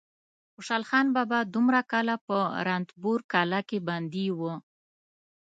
خوشحال بابا دومره کاله په رنتبور کلا کې بندي و.